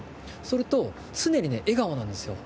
それと常にね笑顔なんですよ。